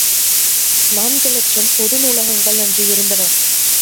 நான்கு இலட்சம் பொது நூலகங்கள் அன்று இருந்தன.